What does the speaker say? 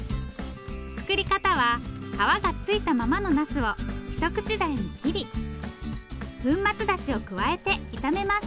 作り方は皮がついたままのナスを一口大に切り粉末だしを加えて炒めます。